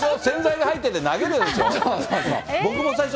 洗剤が入ってて投げるやつでしょ。